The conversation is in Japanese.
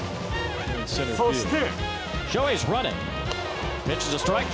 そして。